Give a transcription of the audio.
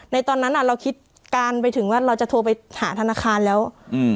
ตอนนั้นอ่ะเราคิดการไปถึงว่าเราจะโทรไปหาธนาคารแล้วอืม